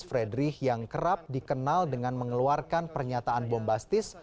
fredrich yang kerap dikenal dengan mengeluarkan pernyataan bombastis